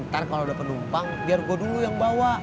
ntar kalau ada penumpang biar gue dulu yang bawa